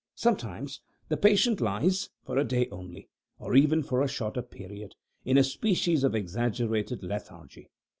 Sometimes the patient lies, for a day only, or even for a shorter period, in a species of exaggerated lethargy.